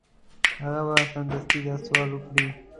هغه به سمدستي دا سوال وکړي.